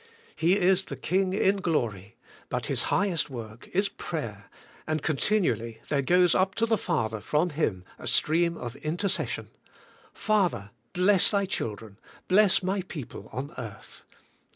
" He is the King in glory, but His highest work is pra3^er, and continually there goes up to the Father from Him a stream of intercession: Father, bless Thy PRAYER. 95 children, bless My people on earth.